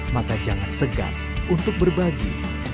maka jangan segan untuk berbagi